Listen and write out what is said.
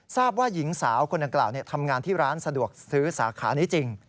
ทราบว่าหญิงสาวคนดังกล่าวทำงานที่ร้านสะดวกซื้อสาขานี้จริง